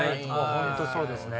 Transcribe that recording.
本当そうですね。